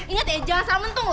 ingat ya jangan salah bentung lo